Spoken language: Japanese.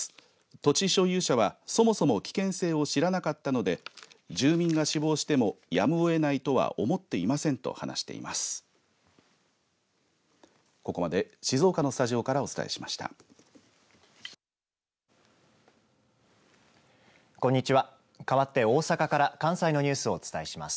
土地所有者はそもそも危険性を知らなかったので住民が死亡してもやむをえないとは思っていませんと話しています。